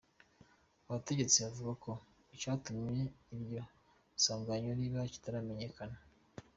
Abategetsi bavuga ko icatumye iryo sanganya riba kitaramenyekana.